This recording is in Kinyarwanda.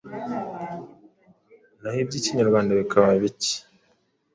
naho iby’ikinyarwanda bikaba bike.